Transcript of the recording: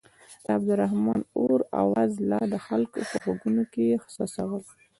د عبدالرحمن اور اواز لا د خلکو په غوږونو کې څڅول.